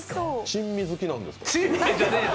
珍味好きなんですか？